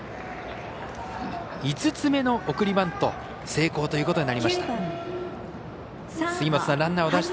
５つ目の送りバント成功ということになりました。